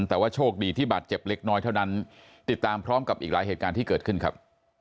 แต่ว่าโชคดีที่บาดเจ็บเล็กน้อยเท่านั้นติดตามพร้อมกับอีกหลายเหตุการณ์ที่เกิดขึ้นครับ